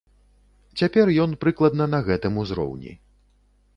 Цяпер ён прыкладна на гэтым узроўні.